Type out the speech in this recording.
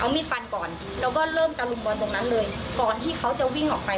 มีดฟันก่อนแล้วก็เริ่มตะลุมบอลตรงนั้นเลยก่อนที่เขาจะวิ่งออกไป